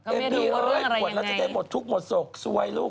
เอมมี่หมดแล้วจะได้หมดทุกข์หมดศพสวยลูก